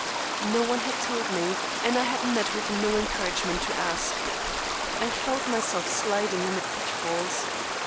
No one had told me, and I had met with no encouragement to ask. I felt myself sliding amid pitfalls.